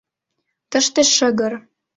Тыште шыгыр.